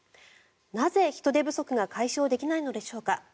なぜ、人手不足が解消できないのでしょうか。